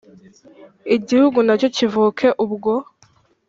igihugu nacyo kivuke ubwo